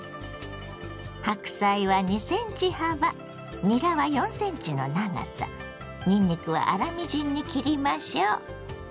白菜は２ｃｍ幅にらは４ｃｍの長さにんにくは粗みじんに切りましょ。